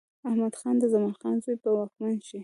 احمد خان د زمان خان زوی به واکمن شي.